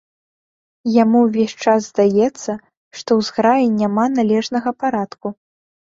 Яму ўвесь час здаецца, што ў зграі няма належнага парадку.